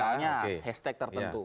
misalnya hashtag tertentu